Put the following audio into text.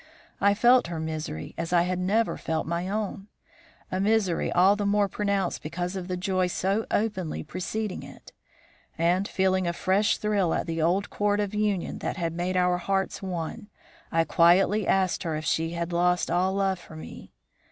I felt her misery as I had never felt my own; a misery all the more pronounced because of the joy so openly preceding it; and, feeling a fresh thrill in the old cord of union that had made our hearts one, I quietly asked her if she had lost all love for me.